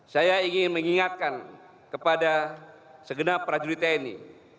saya ingin mengingatkan kepada segenap prajurit tni